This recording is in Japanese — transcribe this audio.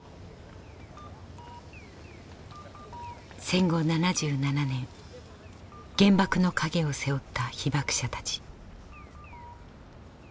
戦後７７年原爆の影を背負った被爆者たち。